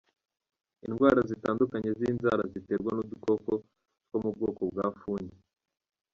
Indwara zitandukanye z’inzara ziterwa n’udukoko two mu bwoko bwa fungi.